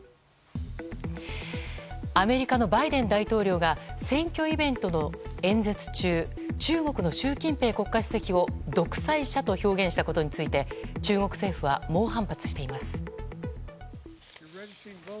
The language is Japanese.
アメリカのバイデン大統領が選挙イベントの演説中中国の習近平国家主席を独裁者と表現したことについて中国政府は猛反発しています。